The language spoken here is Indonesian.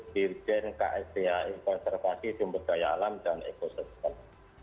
dirjen ksda konservasi sumber daya alam dan ekosistem